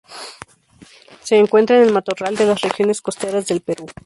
Se encuentra en el matorral de las regiones costeras del Perú.